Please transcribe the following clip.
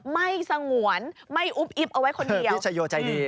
ไม่สงวนไม่อุ๊บอิ๊บเอาไว้คนเดียวพิชโยใจดี